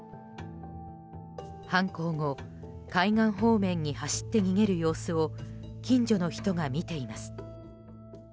犯行後海岸方面に走って逃げる様子を近所の人が見ています。